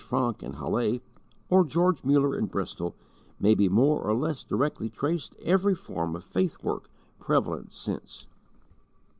Francke in Halle, or George Muller in Bristol, may be more or less directly traced every form of 'faith work,' prevalent since.